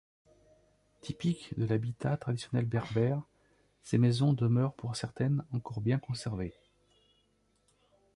Typiques de l'habitat traditionnel berbère, ces maisons demeurent pour certaines encore bien conservées.